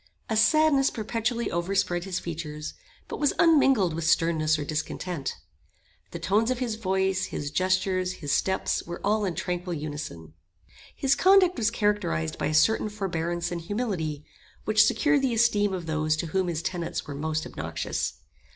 A sadness perpetually overspread his features, but was unmingled with sternness or discontent. The tones of his voice, his gestures, his steps were all in tranquil unison. His conduct was characterised by a certain forbearance and humility, which secured the esteem of those to whom his tenets were most obnoxious.